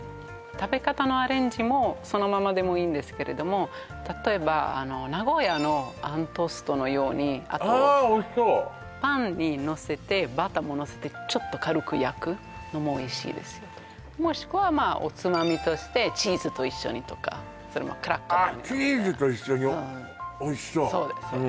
食べ方のアレンジもそのままでもいいんですけれども例えば名古屋の餡トーストのようにああおいしそうパンにのせてバターものせてちょっと軽く焼くのもおいしいですよもしくはまあおつまみとしてチーズと一緒にとかそれもクラッカーあっチーズと一緒においしそうそうです